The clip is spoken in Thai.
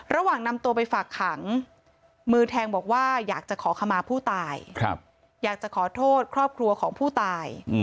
ระหว่างนำตัวไปฝากขังมือแทงบอกว่าอยากจะขอขมาผู้ตายอยากจะขอโทษครอบครัวของผู้ตาย